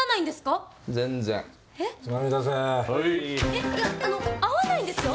えっいやあの合わないんですよ？